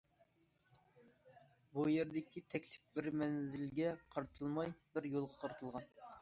بۇ يەردىكى تەكلىپ بىر مەنزىلگە قارىتىلماي، بىر يولغا قارىتىلغان.